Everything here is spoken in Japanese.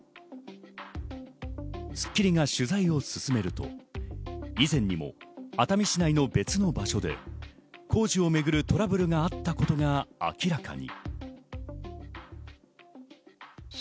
『スッキリ』が取材を進めると、以前にも熱海市内の別の場所で工事を巡るトラブルがあった事が明らかに。